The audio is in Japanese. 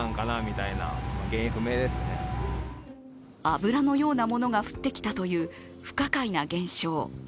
油のようなものが降ってきたという不可解な現象。